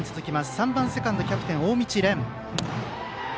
３番セカンドキャプテンの大道蓮。